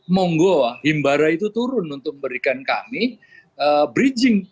monggo himbara itu turun untuk memberikan kami bridging